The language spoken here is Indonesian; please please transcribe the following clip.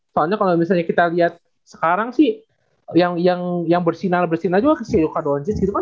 soalnya kalau misalnya kita lihat sekarang sih yang bersinar bersinar juga si luka dolonjic gitu kan